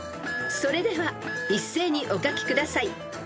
［それでは一斉にお書きください］